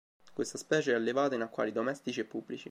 Questa specie è allevata in acquari domestici e pubblici.